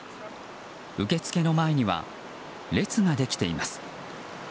受付の前には列ができています。